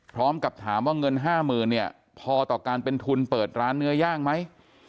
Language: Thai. พร้อมกับถามว่าเงิน๕๐๐๐เนี่ยพอต่อการเป็นทุนเปิดร้านเนื้อย่างไหม